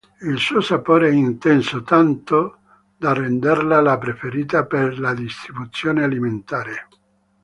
Il suo sapore è intenso tanto da renderla la preferita per la distribuzione alimentare.